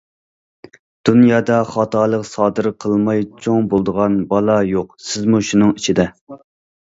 دۇنيادا خاتالىق سادىر قىلماي چوڭ بولىدىغان بالا يوق، سىزمۇ شۇنىڭ ئىچىدە.